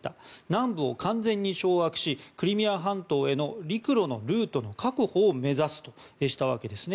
南部を完全に掌握しクリミア半島への陸路のルートの確保を目指すとしたわけです。